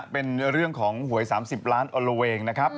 เป็นเรื่องของหวย๓๐ล้านออลละเวงนะครับ